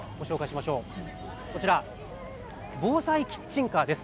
防災キッチンカーです。